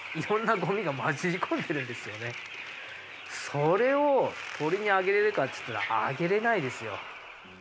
それを鶏にあげられるかっていったらあげられないですよ。